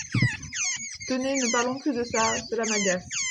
Tenez, ne parlons plus de ça, cela m’agace !…